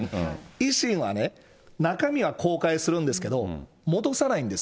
維新はね、中身は公開するんですけど、戻さないんです。